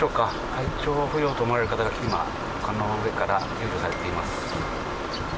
体調不良と思われる方が丘の上から救助されています。